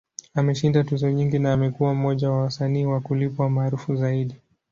Ameshinda tuzo nyingi, na amekuwa mmoja wa wasanii wa kulipwa maarufu zaidi.